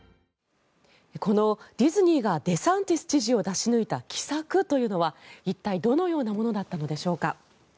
このディズニーがデサンティス知事を出し抜いた奇策というのは一体、どのようなものだったのでしょうか。